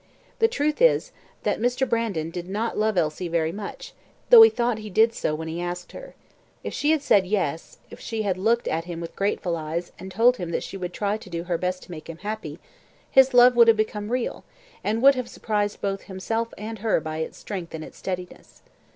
The truth is, that Mr. Brandon did not love Elsie very much, though he thought he did so when he asked her. If she had said yes if she had looked at him with grateful eyes, and told him that she would try to do her best to make him happy, his love would have become real, and would have surprised both himself and her by its strength and its steadiness.